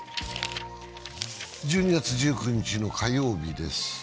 １２月１９日の火曜日です。